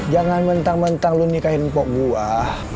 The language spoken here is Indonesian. jangan mentang mentang lo nikahin pok gue